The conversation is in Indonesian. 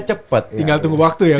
cepat tinggal tunggu waktu ya coach ya